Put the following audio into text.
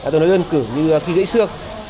tôi nói gân cử như khi gãy xương